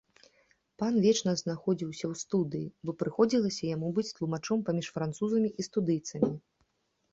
Пан вечна знаходзіўся ў студыі, бо прыходзілася яму быць тлумачом паміж французамі і студыйцамі.